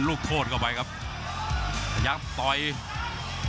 ภูตวรรณสิทธิ์บุญมีน้ำเงิน